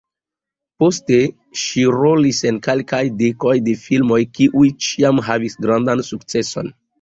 Poste ŝi rolis en kelkaj dekoj de filmoj, kiuj ĉiam havis grandan sukceson.